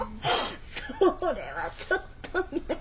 それはちょっとね。